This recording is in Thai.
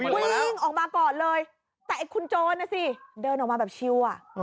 วิ่งออกมาก่อนเลยแต่ไอ้คุณโจรนะสิเดินออกมาแบบชิวอ่ะ